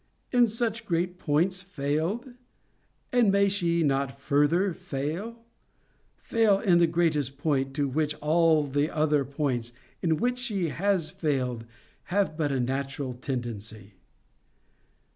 In such great points failed? And may she not further fail? Fail in the greatest point, to which all the other points, in which she has failed, have but a natural tendency?'